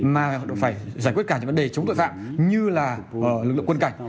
mà phải giải quyết cả những vấn đề chống tội phạm như là lực lượng quân cảnh